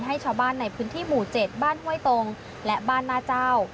ให้ชาวบ้านในพื้นที่หมู่๗บ้านห้วยตรงและบ้านหน้าเจ้า